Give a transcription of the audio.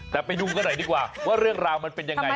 แต่ไปดูกันหน่อยดีกว่าว่าเรื่องราวมันเป็นยังไง